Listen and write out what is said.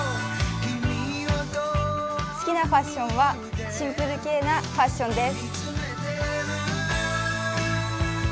好きなファッションはシンプル系なファッションです。